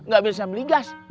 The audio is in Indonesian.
gak bisa beli gas